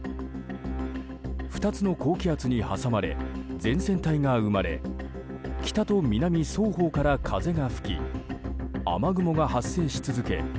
２つの高気圧に挟まれ前線帯が生まれ北と南双方から風が吹き雨雲が発生し続け